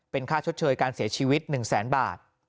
เป็นค่าชดเชยการเสียชีวิต๑แสนบาท